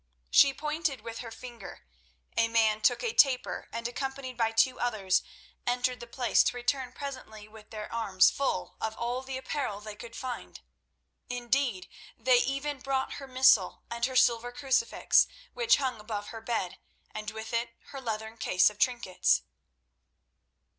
She pointed with her finger. A man took a taper, and, accompanied by two others, entered the place, to return presently with their arms full of all the apparel they could find. Indeed, they even brought her missal and the silver crucifix which hung above her bed and with it her leathern case of trinkets.